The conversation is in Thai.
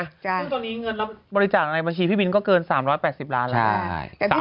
เพราะตอนนี้เงินบริจาคในบัญชีพี่บินก็เกิน๓๘๐ล้านอะไรใช่ไหม